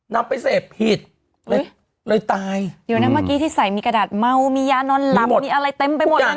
นับไปเสพผิดเลยตายอ๋อเดี๋ยวเนี่ยเมื่อกี้ที่ใส่มีกระดาษเมามียานอนลำมีอะไรเต็มไปเลยนะ